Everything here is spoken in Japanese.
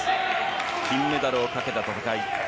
金メダルをかけた戦い。